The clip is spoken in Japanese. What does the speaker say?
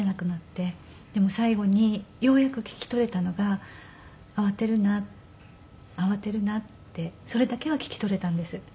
でも最後にようやく聞き取れたのが「慌てるな慌てるな」ってそれだけは聞き取れたんです。